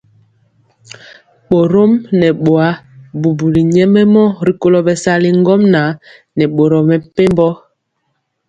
Borɔm nɛ bɔa bubuli nyɛmemɔ rikolo bɛsali ŋgomnaŋ nɛ boro mepempɔ.